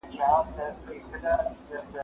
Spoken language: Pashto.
زه به سبا د ښوونځی لپاره تياری کوم!!